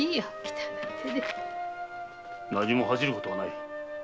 何も恥じる事はない。